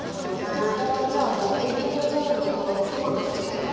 ここはじゃあえびのゾーンにこのトマトたちが行かないように。